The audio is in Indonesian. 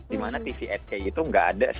dimana tv delapan k itu nggak ada